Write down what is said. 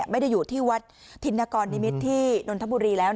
ไม่ได้อยู่ที่วัดธินกรนิมิตรที่นนทบุรีแล้ว